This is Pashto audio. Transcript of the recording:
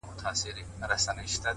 o که هر څو دي په لاره کي گړنگ در اچوم؛